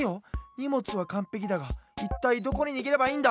にもつはかんぺきだがいったいどこににげればいいんだ？